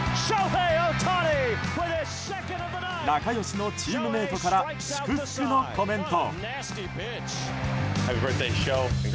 仲良しのチームメートから祝福のコメント。